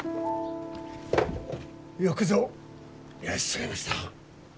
よくぞいらっしゃいました。